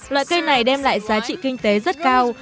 loại cây này đem lại giá trị kinh tế rất cao